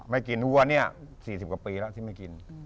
ไม่กินหัวเนี่ย๔๐ปีร้อยที่ไม่กิน